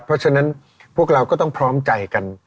เพราะฉะนั้นพวกเราก็ต้องพร้อมใจกัน